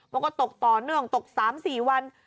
มันก็ตกต่อเนื่องตก๓๔วัน